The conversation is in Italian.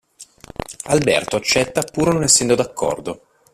Alberto accetta pur non essendo d’accordo.